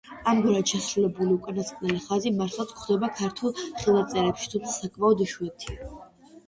ამგვარად შესრულებული უკანასკნელი ხაზი მართლაც გვხვდება ქართულ ხელნაწერებში, თუმცა საკმაოდ იშვიათია.